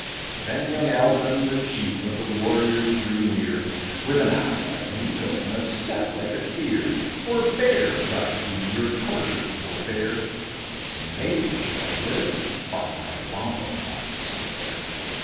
Then young Albon, the chief Of the warriors, drew near, With an eye like an eagle And a step like a deer. "Forbear," cried he, "Your torture forbear; This maiden shall live. By my wampum I swear.